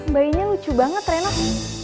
bayinya lucu banget renak